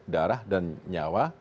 darah dan nyawa